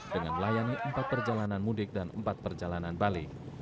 dengan melayani empat perjalanan mudik dan empat perjalanan balik